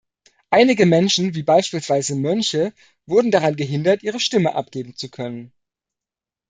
Einige Menschen wie beispielsweise Mönche wurden daran gehindert, ihre Stimme abgeben zu können.